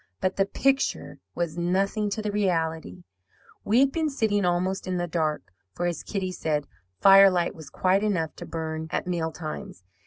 But the picture was nothing to the reality. We had been sitting almost in the dark, for, as Kitty said, 'Firelight was quite enough to burn at meal times.'